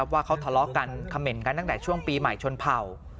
ว่าเขาทะเลาะกันเขม่นกันตั้งแต่ช่วงปีใหม่ชนเผ่า